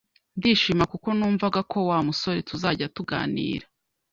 ndishima kuko numvaga ko wa musore tuzajya tuganira